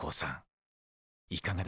いかがですか？